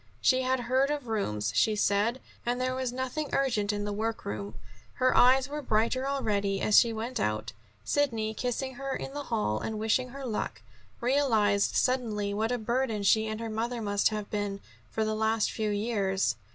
She had heard of rooms, she said, and there was nothing urgent in the work room. Her eyes were brighter already as she went out. Sidney, kissing her in the hall and wishing her luck, realized suddenly what a burden she and her mother must have been for the last few years.